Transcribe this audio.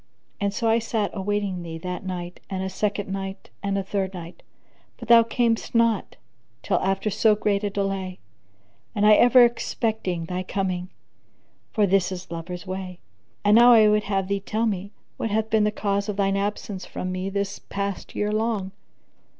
So I sat awaiting thee that night and a second night and a third night; but thou camest not till after so great delay, and I ever expecting thy coming; for this is lovers' way. And now I would have thee tell me what hath been the cause of thine absence from me the past year long?"